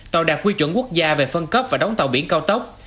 tàu đạt quy chuẩn quốc gia về phân cấp và đóng tàu biển cao tốc